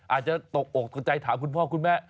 อาจจะตกอกตกใจถามคุณพ่อคุณแม่